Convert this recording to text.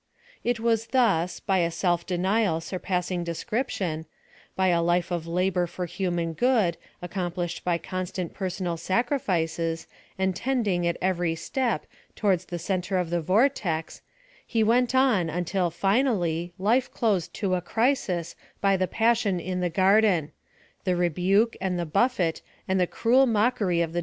It was thus, by a self denial surpassing descrij) tion — by a life of labor for human good, accom plished by constant personal sacrifices, and tending, at every step, towards the centre of the vortex, He went on until, finally, life closed to a crisis, by the passion in the garden — the rebuke, and the bufl!et, and the cruel mockery of the